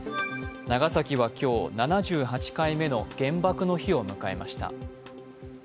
長崎は今日、７８回目の原爆の日を迎えました。